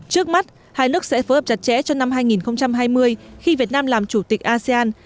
trước mắt hai nước sẽ phối hợp chặt chẽ cho năm hai nghìn hai mươi khi việt nam làm chủ tịch asean